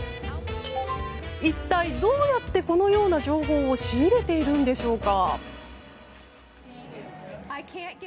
一体どうやってこのような情報を仕入れているんでしょうか。